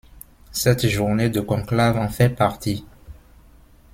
Cette journée de conclave en fait partie.